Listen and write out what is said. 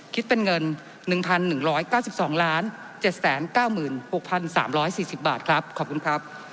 คิดเป็นเงิน๑๑๙๒๗๙๖๓๔๐บาทครับขอบคุณครับ